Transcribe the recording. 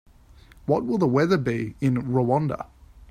What will the weather be in Rwanda?